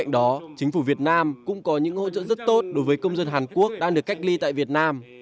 đối với công dân hàn quốc đang được cách ly tại việt nam